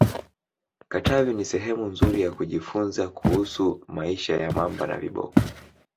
katavi ni sehemu nzuri ya kujifunza kuhusu maisha ya mamba na viboko